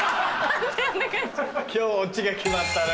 今日オチが決まったね。